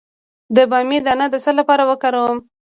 د بامیې دانه د څه لپاره وکاروم؟